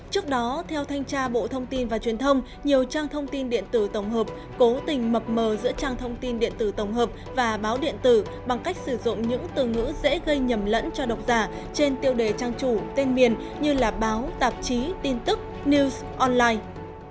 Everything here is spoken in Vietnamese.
trước đó theo thanh tra bộ thông tin và truyền thông nhiều trang thông tin điện tử tổng hợp cố tình mập mờ giữa trang thông tin điện tử tổng hợp và báo điện tử bằng cách sử dụng những từ ngữ dễ gây nhầm lẫn cho độc giả trên tiêu đề trang chủ tên miền như báo tạp chí tin tức news online